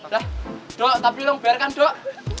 lah dok tapi lo bayarkan dok